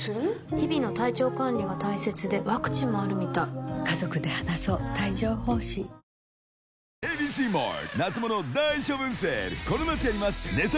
日々の体調管理が大切でワクチンもあるみたい牧場から食卓まで。